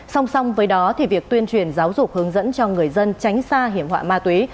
song song với đó thì việc tuyên truyền giáo dục hướng dẫn cho người dân tránh xa hiểm họa ma túy